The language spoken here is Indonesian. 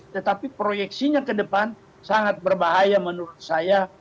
tetapi proyeksinya ke depan sangat berbahaya menurut saya